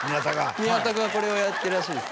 宮田君はこれをやってるらしいです